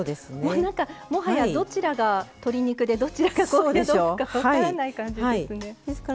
なんか、もはやどちらが鶏肉でどちらか高野豆腐か分からない感じですね。